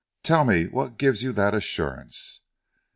"Tell me what gives you that assurance."